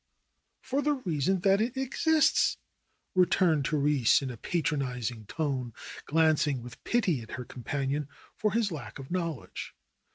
'Tor the reason that it exists," returned Therese in a patronizing tone, glancing with pity at her companion for his lack of knowledge.